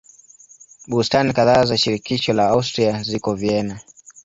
Bustani kadhaa za shirikisho la Austria ziko Vienna.